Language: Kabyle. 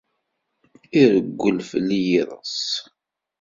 Irwel fell-i yiḍes.